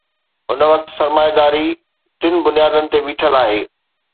هن وقت سرمائيداري ٽن بنيادن تي بيٺل آهي.